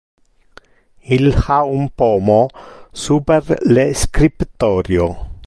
Il ha un pomo super le scriptorio.